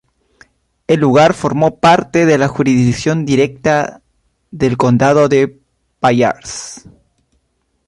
El lugar formó parte de la jurisdicción directa del Condado de Pallars.